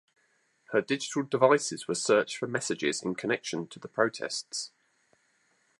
Her digital devices were searched for messages in connection to the protests.